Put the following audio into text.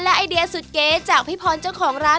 ไอเดียสุดเก๋จากพี่พรเจ้าของร้าน